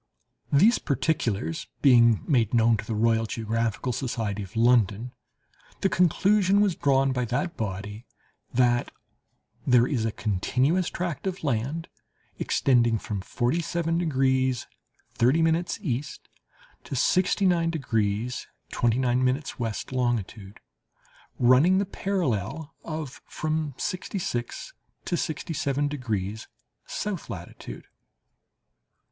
These particulars being made known to the Royal Geographical Society of London, the conclusion was drawn by that body "that there is a continuous tract of land extending from 47 degrees 30' E. to 69 degrees 29' W. longitude, running the parallel of from sixty six to sixty seven degrees south latitude."